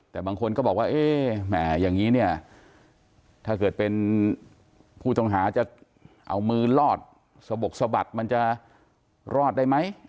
แต่บางคนก็บอกว่าเอ๊ะแหมอย่างนี้เนี่ยถ้าเกิดเป็นผู้ต้องหาจะเอามือรอดสะบกสะบัดมันจะรอดได้ไหม